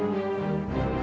beri wudi kalau bawain